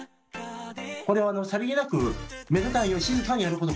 これはさりげなく目立たないよう静かにやること。